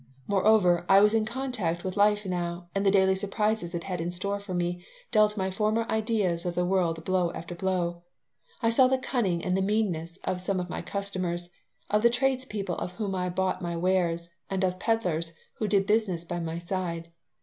Moreover, I was in contact with life now, and the daily surprises it had in store for me dealt my former ideas of the world blow after blow. I saw the cunning and the meanness of some of my customers, of the tradespeople of whom I bought my wares, and of the peddlers who did business by my side.